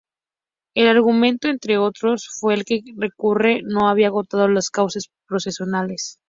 El argumento, entre otros, fue que el recurrente no había agotado los cauces procesales.